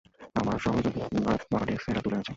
আমার সহযোগী আপনার বাবার ডেস্ক থেকে এটা তুলে এনেছে।